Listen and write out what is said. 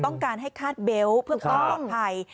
ต้องการให้คาดเบลต์เพื่อความปลอดภัย